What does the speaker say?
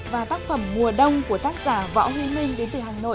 và tác phẩm mùa đông của tác giả võ huy minh